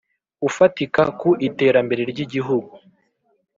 Ufatika ku iterambere ry igihugu